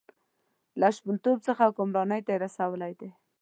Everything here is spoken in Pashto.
له شپونتوب څخه حکمرانۍ ته رسولی دی.